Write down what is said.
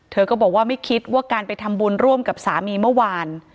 เธอก็บอกว่าไม่คิดว่าการไปทำบุญร่วมกับสามีเมื่อวาน